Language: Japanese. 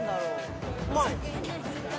うまい？